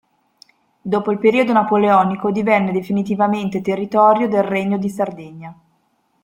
Dopo il periodo napoleonico divenne definitivamente territorio del Regno di Sardegna.